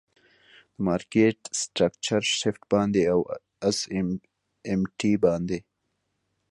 د مارکیټ سټرکچر شفټ باندی او آس آم ټی باندی.